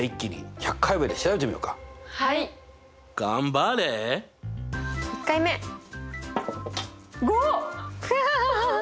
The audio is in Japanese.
１回目５！